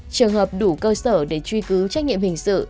trường hợp đủ cơ sở để truy cứu trách nhiệm hình sự